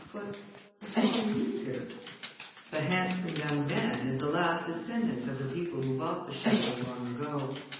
"'What, the father neither?' "'The handsome young man is the last descendant of the people who bought the château long ago.